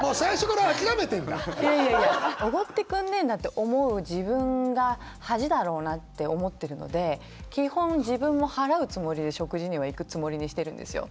おごってくんねえんだって思う自分が恥だろうなって思ってるので基本自分も払うつもりで食事には行くつもりにしてるんですよ。